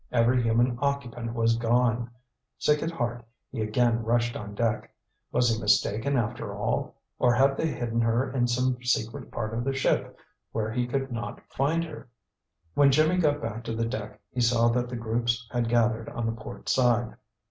Every human occupant was gone. Sick at heart, he again rushed on deck. Was he mistaken, after all? Or had they hidden her in some secret part of the ship where he could not find her? When Jimmy got back to the deck he saw that the groups had gathered on the port side.